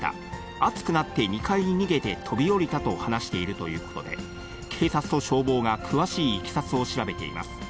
熱くなって、２階に逃げて飛び降りたと話しているということで、警察と消防が詳しいいきさつを調べています。